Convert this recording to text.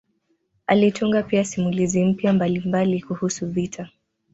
Alitunga pia simulizi mpya mbalimbali kuhusu vita